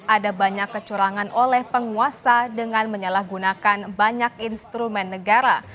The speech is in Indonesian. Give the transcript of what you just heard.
ada banyak kecurangan oleh penguasa dengan menyalahgunakan banyak instrumen negara